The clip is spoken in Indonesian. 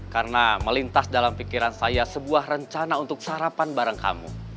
karena melintas dalam pikiran saya sebuah rencana untuk sarapan bareng kamu